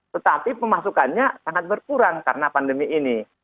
tetapi pemasukannya sangat berkurang karena pandemi ini